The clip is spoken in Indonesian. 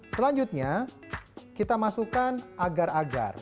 selanjutnya kita masukkan agar agar